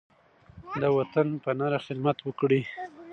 د وطن په نره خدمت وکړئ.